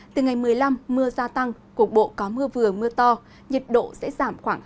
từ ngày một mươi năm mưa gia tăng cục bộ có mưa vừa mưa to nhiệt độ sẽ giảm khoảng hai mươi